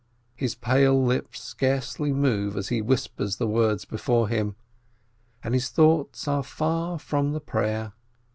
His pale lips scarcely move as he whispers the words before him, and his thoughts are far from the prayer.